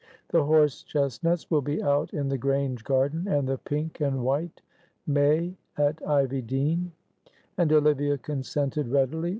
The horse chestnuts will be out in the Grange garden, and the pink and white may at Ivy Dene." And Olivia consented readily.